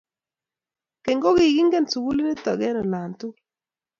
keny kogingine sugulit nito eng ola tugul